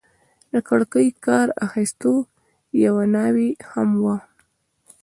د کړکۍ کار اخیسته، یوه ناوې هم وه.